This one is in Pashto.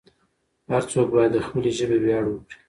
هر څوک باید د خپلې ژبې ویاړ وکړي.